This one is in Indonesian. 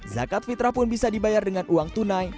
zakat fitrah pun bisa dibayar dengan uang tunai